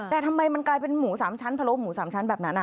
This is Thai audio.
แต่ทำไมมันกลายเป็นหมู๓ชั้นพะโล้หมู๓ชั้นแบบนั้น